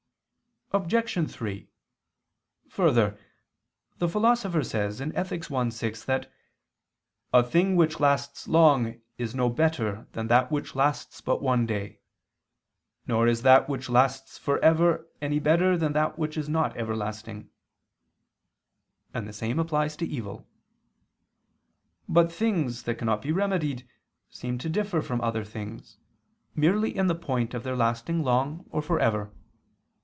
Obj. 3: Further, the Philosopher says (Ethic. i, 6) that "a thing which lasts long is no better than that which lasts but one day: nor is that which lasts for ever any better than that which is not everlasting": and the same applies to evil. But things that cannot be remedied seem to differ from other things, merely in the point of their lasting long or for ever.